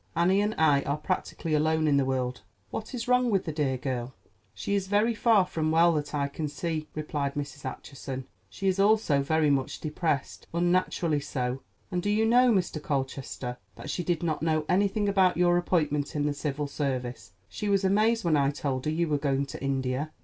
Annie and I are practically alone in the world. What is wrong with the dear girl?" "She is very far from well; that I can see," replied Mrs. Acheson. "She is also very much depressed, unnaturally so; and do you know, Mr. Colchester, that she did not know anything about your appointment in the Civil Service. She was amazed when I told her you were going to India."